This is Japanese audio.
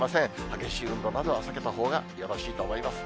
激しい運動などは避けたほうがよろしいと思います。